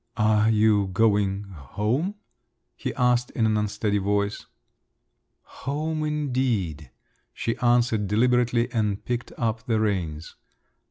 "Are you going home?" he asked in an unsteady voice. "Home indeed!" she answered deliberately and picked up the reins.